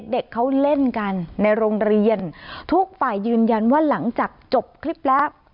เด็กเขาเล่นกันในโรงเรียนทุกฝ่ายยืนยันว่าหลังจากจบคลิปแล้ว